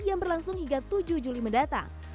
yang berlangsung hingga tujuh juli mendatang